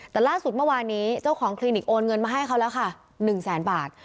แต่ล่าสุดเมื่อวานนี้เจ้าของคลินิกโอนเงินมาให้เขาแล้วค่ะ๑แสนบาท